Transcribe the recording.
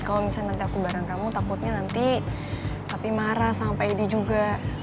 kalau misalnya nanti aku bareng kamu takutnya nanti tapi marah sama pede juga